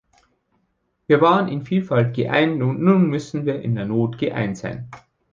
Wir waren in Vielfalt geeint und nun müssen wir in der Not geeint sein.